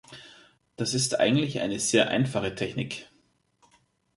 Das ist eigentlich eine sehr einfache Technik.